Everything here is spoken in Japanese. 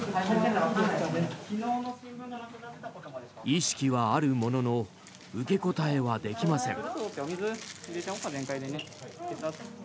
意識はあるものの受け答えはできません。